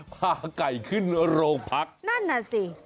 พาไก่ขึ้นโรงพักนั่นน่ะสิ